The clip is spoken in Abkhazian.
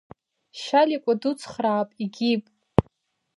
Шьаликәа дуцхраап, егьип.